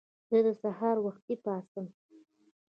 زه د سهار وختي پاڅم.